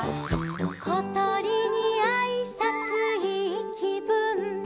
「ことりにあいさついいきぶん」